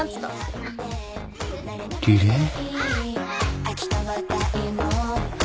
リレー？